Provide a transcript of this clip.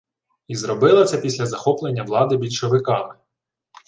І зробила це після захоплення влади більшовиками